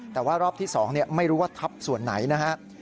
แต่ว่ารอบที่๒ไม่รู้ว่าทับส่วนไหนนะครับ